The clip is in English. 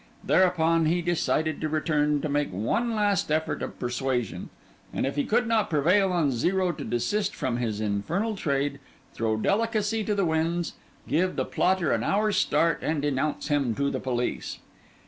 Thereupon he decided to return to make one last effort of persuasion, and, if he could not prevail on Zero to desist from his infernal trade, throw delicacy to the winds, give the plotter an hour's start, and denounce him to the police.